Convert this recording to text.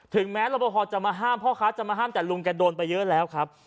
แม้รับประพอจะมาห้ามพ่อค้าจะมาห้ามแต่ลุงแกโดนไปเยอะแล้วครับ